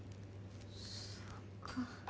そっか。